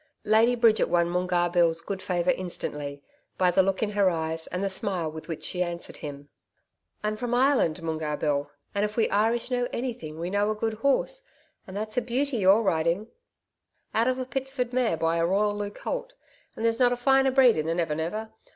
Lady Bridget won Moongarr Bill's good favour instantly by the look in her eyes and the smile with which she answered him. 'I'm from Ireland, Moongarr Bill, and if we Irish know anything we know a good horse, and that's a beauty you're riding.' 'Out of a Pitsford mare by a Royallieu colt, and there's not a finer breed in the Never Never.